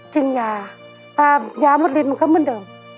กินยายามดลินมันก็เหมือนเดิม